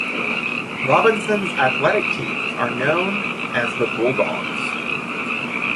Robinson's athletic teams are known as the "Bulldogs".